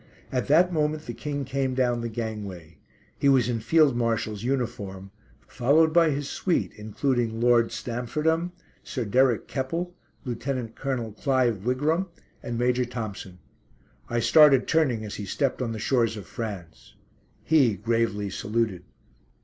At that moment the King came down the gangway he was in Field Marshal's uniform followed by his suite, including Lord Stamfordham, Sir Derek Keppel, Lieutenant Colonel Clive Wigram, and Major Thompson. I started turning as he stepped on the shores of France. He gravely saluted.